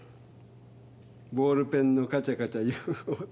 ボールペンのカチャカチャいう音。